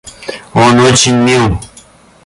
Он очень мил.